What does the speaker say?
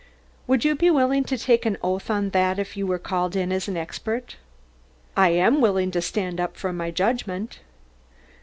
"Would you be willing to take an oath on that if you were called in as an expert?" "I am willing to stand up for my judgment."